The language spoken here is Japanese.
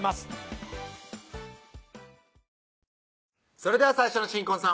それでは最初の新婚さん